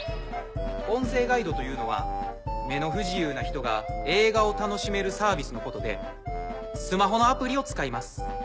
音声ガイドというのは目の不自由な人が映画を楽しめるサービスのことでスマホのアプリを使います。